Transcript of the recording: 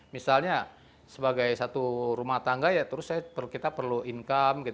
misalnya sebagai satu rumah tangga ya terus kita perlu income